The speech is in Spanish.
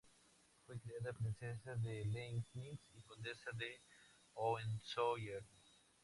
Fue creada Princesa de Liegnitz y Condesa de Hohenzollern.